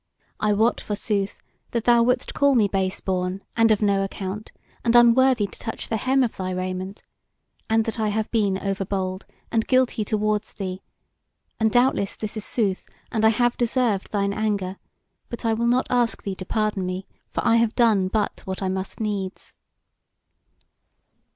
I wot, forsooth, that thou wouldst call me base born, and of no account, and unworthy to touch the hem of thy raiment; and that I have been over bold, and guilty towards thee; and doubtless this is sooth, and I have deserved thine anger: but I will not ask thee to pardon me, for I have done but what I must needs."